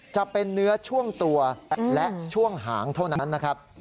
จะเป็นเนื้อช่วงตัวและช่วงหางเท่านั้นนะครับ